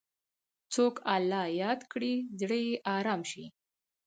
څوک الله یاد کړي، زړه یې ارام شي.